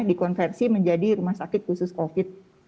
dikonversi menjadi rumah sakit khusus covid